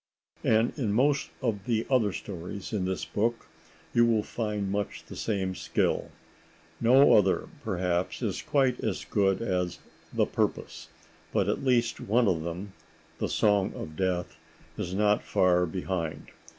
And in most of the other stories in this book you will find much the same skill. No other, perhaps, is quite so good as "The Purpose," but at least one of them, "The Song of Death," is not far behind.